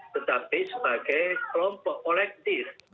tetapi sebagai kelompok kolektif